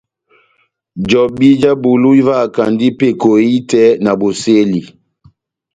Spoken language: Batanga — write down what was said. Jobi já bulu ivahakandi peko ehitɛ na bosɛli.